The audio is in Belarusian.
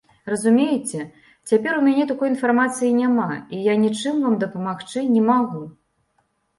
Разумееце, цяпер у мяне такой інфармацыі няма, і я нічым вам дапамагчы не магу.